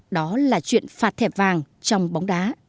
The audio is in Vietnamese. đó là chuyện phạt thẻ vàng trong bóng đá